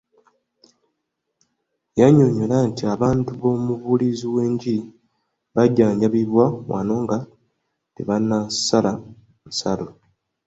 Yannyonnyola nti abantu b'omubuulizi w'enjiri bajjanjabibwa wano nga tebannasala nsalo.